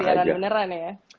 nggak ada siaran beneran ya